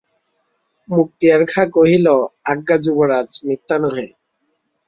মুক্তিয়ার খাঁ কহিল, আজ্ঞা যুবরাজ, মিথ্যা নহে।